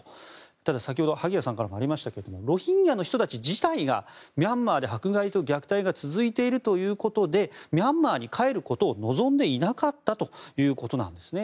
ただ、先ほど萩谷さんからもありましたがロヒンギャの人たち自体がミャンマーで迫害と虐待が続いているということでミャンマーへ帰ることを望んでいなかったということなんですね。